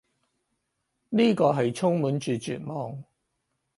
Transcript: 呢個係充滿住絕望